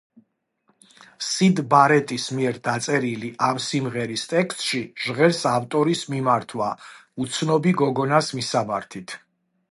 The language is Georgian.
სიდ ბარეტის მიერ დაწერილი ამ სიმღერის ტექსტში ჟღერს ავტორის მიმართვა უცნობი გოგონას მისამართით.